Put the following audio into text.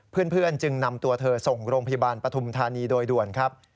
เพื่อนจึงนำตัวเธอส่งโรงพยาบาลปฐุมธานีโดยด่วนครับ